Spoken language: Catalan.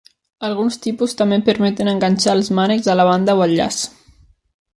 Alguns tipus també permeten enganxar els mànecs a la banda o el llaç.